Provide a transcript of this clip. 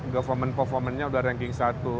government performance nya udah ranking satu